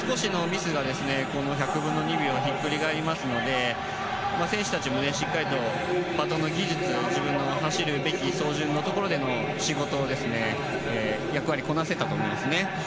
少しのミスが１００分の２秒をひっくり返りますので選手たちもしっかりとバトンの技術を走るべき走順での役割をこなせたと思います。